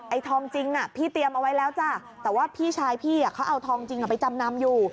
ทองจริงพี่เตรียมเอาไว้แล้วจ้ะแต่ว่าพี่ชายพี่เขาเอาทองจริงไปจำนำอยู่